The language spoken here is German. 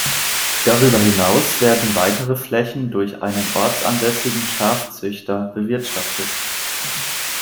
Darüber hinaus werden weitere Flächen durch einen ortsansässigen Schafzüchter bewirtschaftet.